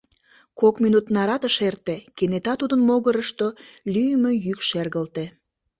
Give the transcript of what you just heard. Кок минут нарат ыш эрте, кенета тудын могырышто лӱйымӧ йӱк шергылте.